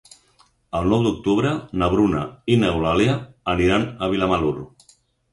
El nou d'octubre na Bruna i n'Eulàlia aniran a Vilamalur.